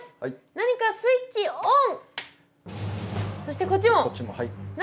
何かのスイッチがオン！